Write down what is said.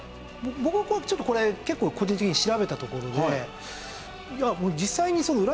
僕はちょっとこれ結構個人的に調べたところで。